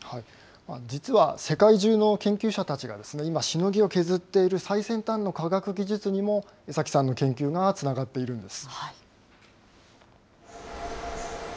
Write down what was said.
実は世界中の研究者たちが今、しのぎを削っている最先端の科学技術にも、江崎さんの研究がつながっているんです。